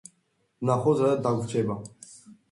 ვნახოთ რა დაგვრჩება.